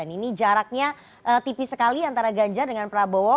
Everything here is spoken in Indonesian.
ini jaraknya tipis sekali antara ganjar dengan prabowo